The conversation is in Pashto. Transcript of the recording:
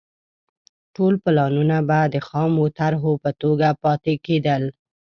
ټول پلانونه به د خامو طرحو په توګه پاتې کېدل